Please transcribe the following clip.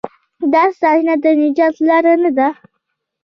دا ستاینه د نجات لار نه ده.